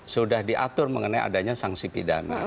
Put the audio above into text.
sudah diatur mengenai adanya sanksi pidana